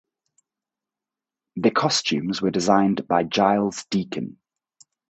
The costumes were designed by Giles Deacon.